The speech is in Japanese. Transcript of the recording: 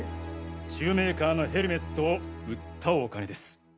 シューメイカーのヘルメットを売ったお金です。